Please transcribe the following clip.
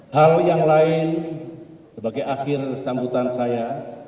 hal yang lain sebagai akhir sambutan saya